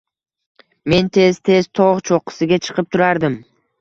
– Men tez-tez tog‘ cho‘qqisiga chiqib turardim